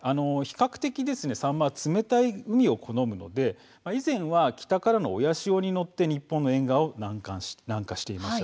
サンマは比較的、冷たい海を好むんですが以前は北からの親潮に乗って日本の沿岸を南下していました。